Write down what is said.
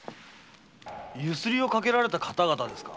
強請をかけられた方々ですか？